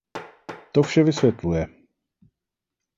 To vše vysvětluje.